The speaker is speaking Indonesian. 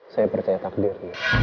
saya percaya takdir